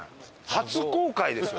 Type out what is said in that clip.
初公開ですよ。